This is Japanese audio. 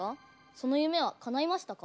その夢はかないましたか？